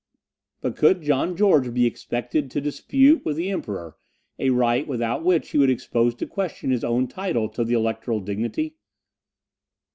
But could John George be expected to dispute with the Emperor a right, without which he would expose to question his own title to the electoral dignity?